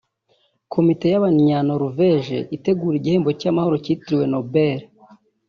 Komite y’Abanyanorvège itegura igihembo cy’amahoro cyitiriwe Nobel